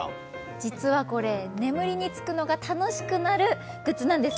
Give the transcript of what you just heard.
実はこれ、眠りにつくのが楽しくなるグッズなんです。